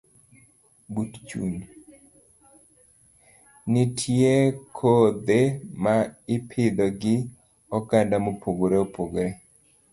Nitiere kothe ma ipidho gi oganda mopogore opogore.